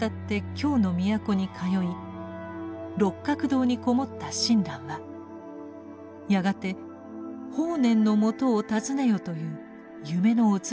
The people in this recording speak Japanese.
六角堂にこもった親鸞はやがて「法然のもとを訪ねよ」という夢のお告げを受けます。